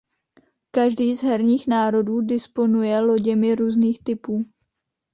Každý z herních národů disponuje loděmi různých typů.